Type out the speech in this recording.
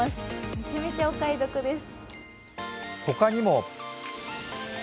めちゃめちゃお買得です。